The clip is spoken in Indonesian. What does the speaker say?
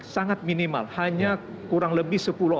sangat minimal hanya kurang lebih